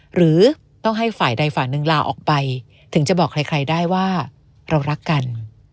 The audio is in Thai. หรือต้องให้ฝ่ายใดฝ่ายหนึ่งลาออกไปถึงจะบอกใครได้ว่าเรารักกัน